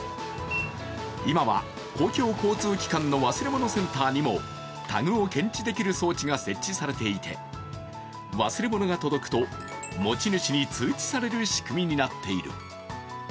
今は公共交通機関の忘れ物センターにもタグを検知できる装置が設置されていて忘れ物が届くと持ち主に通知される仕組みになっている。